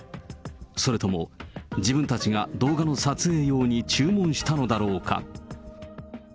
それとも、自分たちが動画の撮影用に注文したのだろうか。